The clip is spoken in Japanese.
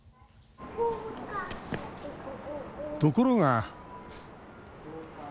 ところが。